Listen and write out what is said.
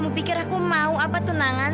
eh kamu mau turun makanya